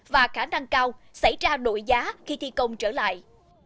và khả năng cao xảy ra đội giá khi thi công trở lại